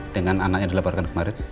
dengan anak yang dilaporkan kemarin